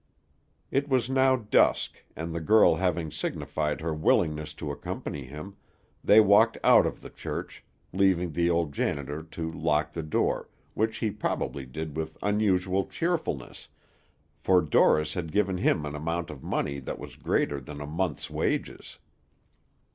It was now dusk, and the girl having signified her willingness to accompany him, they walked out of the church, leaving the old janitor to lock the door, which he probably did with unusual cheerfulness, for Dorris had given him an amount of money that was greater than a month's wages.